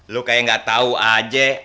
lu kayak gak tau aja